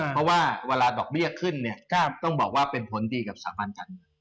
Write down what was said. เพราะว่าเวลาดอกเบี้ยขึ้นเนี่ยก็ต้องบอกว่าเป็นผลดีกับสถาบันการเมือง